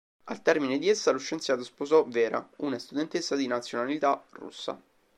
Al termine di essa, lo scienziato sposò Vera, una studentessa di nazionalità russa.